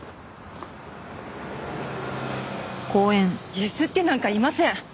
ゆすってなんかいません！